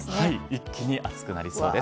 一気に暑くなりそうです。